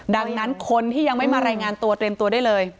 ดังนั้นคนที่ยังไม่มารายงานตัวเตรียมตัวได้เลย